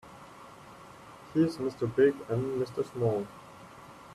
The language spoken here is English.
He's Mr. Big and Mr. Small.